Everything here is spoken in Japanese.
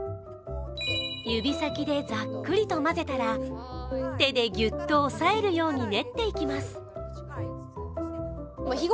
指先でざっくりと混ぜたら手でギュッと押さえるように練っていきます。